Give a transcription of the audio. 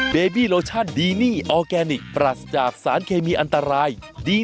สวัสดีค่ะข้าวใส่ไข่สดใหม่